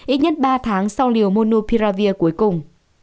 ít nhất ba tháng sau liều monopiravir cuối cùng